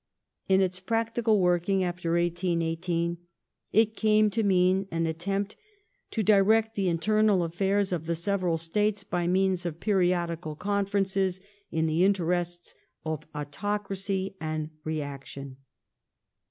In its practical working, after 1818, y it came to mean an attempt to direct the internal affairs of the /\ several States, by means of periodical conferences, in the interests ^^f autocracy and reaction.